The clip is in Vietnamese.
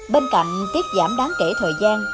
bên cạnh tiết giảm đáng kể thời gian